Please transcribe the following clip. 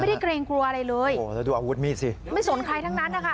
เกรงกลัวอะไรเลยโอ้โหแล้วดูอาวุธมีดสิไม่สนใครทั้งนั้นนะคะ